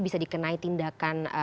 bisa dikenai tindakan